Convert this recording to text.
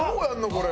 これ。